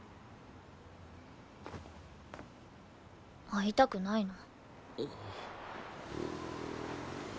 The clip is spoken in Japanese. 会いたくないの。